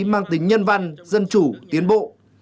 mang tính nhân văn dân chủ tiến bộ